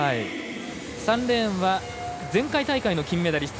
３レーンは前回大会の金メダリスト